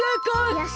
よし！